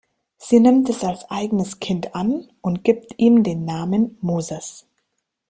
Sie nimmt es als eigenes Kind an und gibt ihm den Namen „Moses“.